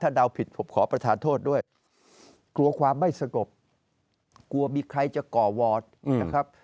เดาผิดผมขอประทานโทษด้วยกลัวความไม่สงบกลัวมีใครจะก่อวอร์ดนะครับ